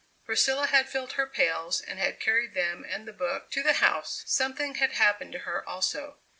Priscilla had filled her pails and had carried them and the book to the house. Something had happened to her, also.